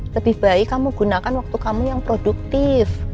lebih baik kamu gunakan waktu kamu yang produktif